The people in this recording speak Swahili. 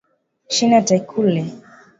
Shina ta kulé